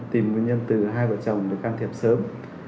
tìm nguyên nhân từ hai vợ chồng được can thiệp sớm